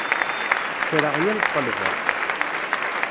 Ttreɣ yal ṭṭelba.